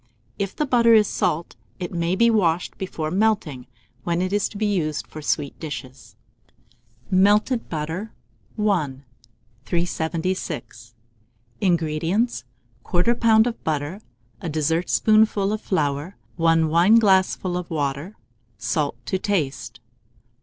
If the butter is salt, it may be washed before melting, when it is to be used for sweet dishes. MELTED BUTTER. I. 376. INGREDIENTS. 1/4 lb. of butter, a dessertspoonful of flour, 1 wineglassful of water, salt to taste.